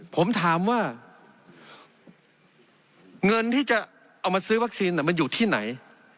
ผมถามว่าเงินที่จะเอามาซื้อวัคซีนมันอยู่ที่ไหน